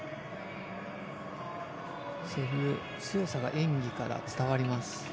そういう強さが演技から伝わります。